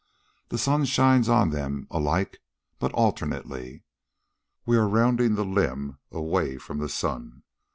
The sun shines on them alike, but alternately. We are rounding the limb away from the sun.